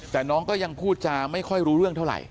แต่น้องก็ยังพูดจาไม่ค่อยรู้เรื่องเท่าไหร่